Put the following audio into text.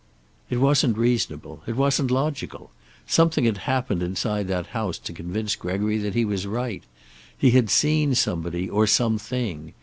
It wasn't reasonable. It wasn't logical. Something had happened inside the house to convince Gregory that he was right. He had seen somebody, or something.